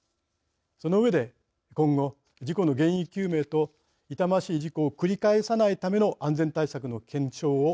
その上で今後事故の原因究明と痛ましい事故を繰り返さないための安全対策の検証を